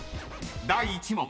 第１問］